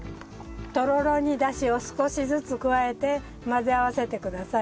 とろろに出汁を少しずつ加えて混ぜ合わせてください。